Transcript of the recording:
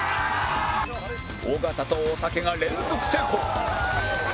尾形とおたけが連続成功